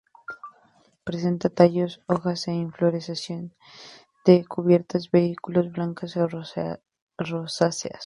Presenta tallos, hojas e inflorescencias de cubiertas vesículas blancas a rosáceas.